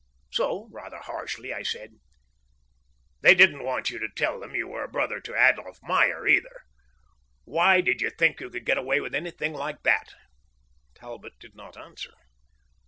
So, rather harshly, I said: "They didn't want you to tell them you were a brother to Adolph Meyer, either. Why did you think you could get away with anything like that?" Talbot did not answer.